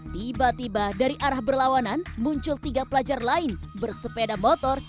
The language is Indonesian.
tiba tiba dari arah berlawanan muncul tiga pelajar lain bersepeda motor